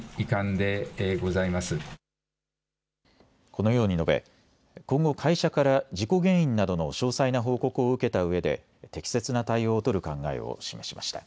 このように述べ、今後、会社から事故原因などの詳細な報告を受けたうえで適切な対応を取る考えを示しました。